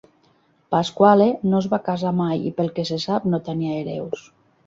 Pasquale no es va casa mai i, pel que se sap, no tenia hereus.